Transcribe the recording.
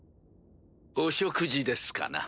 お食事ですかな？